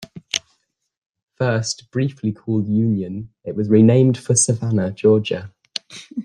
First briefly called Union, it was renamed for Savannah, Georgia.